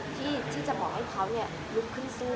ที่จะหลบให้เขาลุกขึ้นซู่